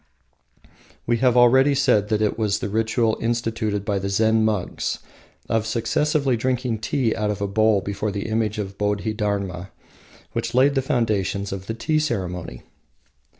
We have already said that it was the ritual instituted by the Zen monks of successively drinking tea out of a bowl before the image of Bodhi Dharma, which laid the foundations of the tea ceremony.